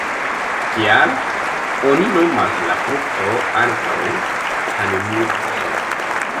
Tial oni nomas la frukto ankaŭ pan-nukso.